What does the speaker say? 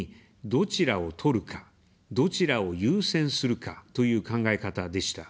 どちらを取るか、どちらを優先するか、という考え方でした。